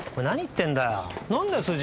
何言ってんだよ。